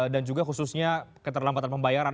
dan juga khususnya keterlambatan pembayaran